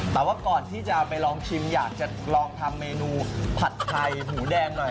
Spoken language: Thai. แต่ว่าก่อนที่จะไปลองชิมอยากจะลองทำเมนูผัดไทยหมูแดงหน่อย